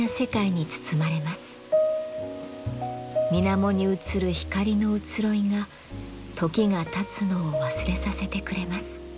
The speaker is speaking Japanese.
水面に映る光の移ろいが時がたつのを忘れさせてくれます。